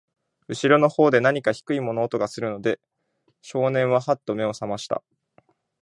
後ろの方で、なにか低い物音がするので、少年は、はっと目を覚ましました。